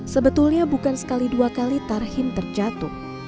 sebetulnya bukan sekali dua kali tarhim terjatuh